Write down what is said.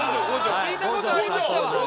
聞いた事ありましたわ。